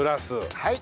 はい。